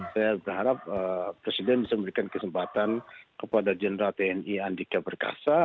saya berharap presiden bisa memberikan kesempatan kepada general tni andika perkasa